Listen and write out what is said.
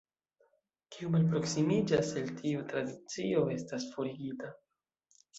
Kiu malproksimiĝas el tiu Tradicio estas forigita.